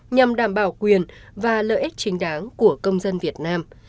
nhằm đảm bảo quyền và lợi ích chính đáng của công dân việt nam